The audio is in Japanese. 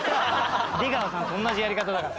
出川さんと同じやり方だから。